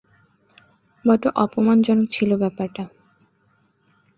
বড্ড অপমানজনক ছিল ব্যাপারটা।